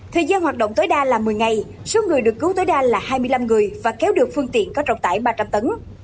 thời gian hoạt động tối đa là một mươi ngày số người được cứu tối đa là hai mươi năm người và kéo được phương tiện có trọng tải ba trăm linh tấn